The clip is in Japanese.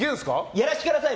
やらせてください。